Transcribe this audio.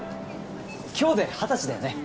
今日で二十歳だよね？